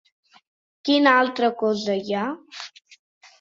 Quina altra cosa hi ha?